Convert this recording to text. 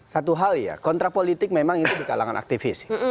satu hal ya kontrak politik memang itu di kalangan aktivis